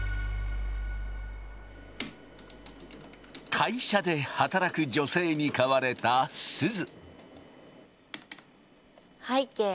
会社で働く女性に買われたすず。